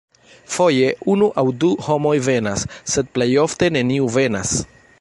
Foje unu aŭ du homoj venas, sed plejofte neniu venas.